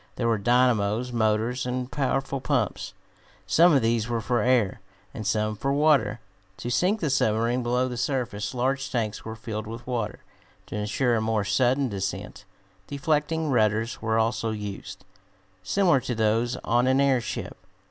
There were dynamos, motors and powerful pumps. Some of these were for air, and some for water. To sink the submarine below the surface large tanks were filled with water. To insure a more sudden descent, deflecting rudders were also used, similar to those on an airship.